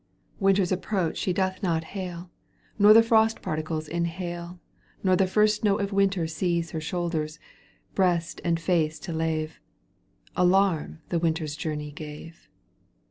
Winter's approach she doth not hail Nor the frost particles inhale Nor the first snow of winter seize iHer shoulders, breast and face to lave — Alarm the winter journey gave.